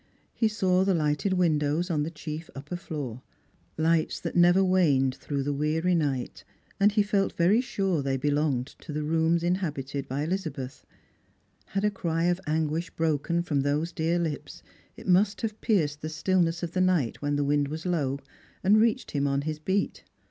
He saw the lighted windows on the chief upper Uoor — lights that never waned through the weary night — and he felt very sure they belonged to the rooms inhabited by EHzabeth. Had a cry of anguist broken from those dear lips, it must have cierced the stillness 346 Strangers and Filgriim. of tlie night when the wind was low, and reached him on his beat.